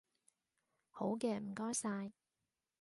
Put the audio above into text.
好嘅，唔該晒